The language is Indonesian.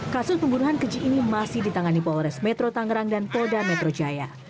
kasus pembunuhan keji ini masih ditangani polres metro tangerang dan polda metro jaya